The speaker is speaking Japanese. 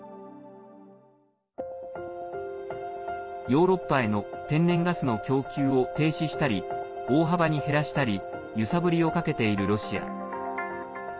ヨーロッパへの天然ガスの供給を停止したり大幅に減らしたり揺さぶりをかけているロシア。